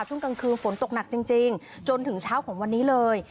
ช่วงกลางคืนฝนตกหนักจริงจนถึงเช้าของวันนี้เลย